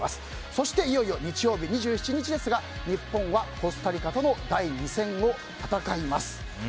そして、いよいよ日曜日２７日ですが日本はコスタリカとの第２戦を戦います。